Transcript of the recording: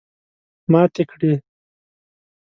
ماتې کړې.